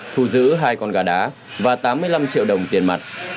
thu giữ hai con gà đá và tám mươi năm triệu đồng tiền mặt